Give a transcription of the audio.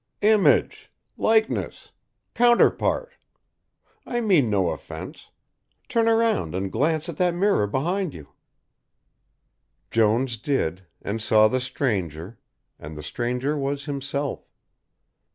"Image, likeness, counterpart I mean no offence turn round and glance at that mirror behind you." Jones did, and saw the stranger, and the stranger was himself.